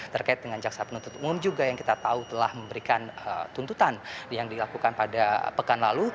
terkait dengan jaksa penuntut umum juga yang kita tahu telah memberikan tuntutan yang dilakukan pada pekan lalu